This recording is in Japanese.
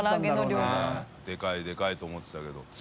任でかいと思ってたけど。